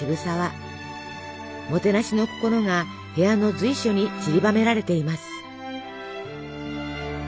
もてなしの心が部屋の随所にちりばめられています。